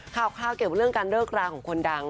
ข่าวเกี่ยวกับเรื่องการเลิกราของคนดัง